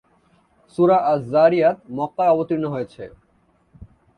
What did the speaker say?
সূরা আয-যারিয়াত মক্কায় অবতীর্ণ হয়েছে।